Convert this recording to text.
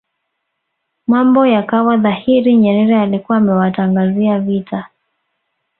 mambo yakawa dhahiri Nyerere alikuwa amewatangazia vita